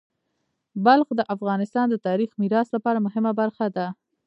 بلخ د افغانستان د تاریخی میراث لپاره مهمه برخه ده.